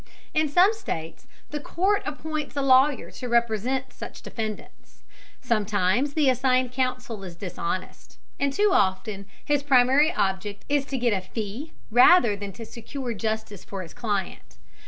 In some states, the court appoints a lawyer to represent such defendants. Sometimes the assigned counsel is dishonest, and too often his primary object is to get a fee rather than to secure justice for his client.